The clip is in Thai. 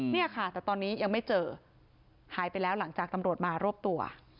เนี่ยค่ะแต่ตอนนี้ยังไม่เจอหายไปแล้วหลังจากตำรวจมารวบตัว